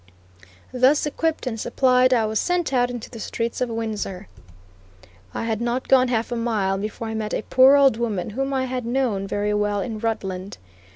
Thus equipped and supplied I was sent out into the streets of Windsor. I had not gone half a mile before I met a poor old woman whom I had known very well in Rutland.